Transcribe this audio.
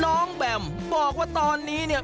น้องแบมบอกว่าตอนนี้